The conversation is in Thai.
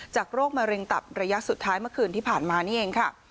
โรคมะเร็งตับระยะสุดท้ายเมื่อคืนที่ผ่านมานี่เองค่ะ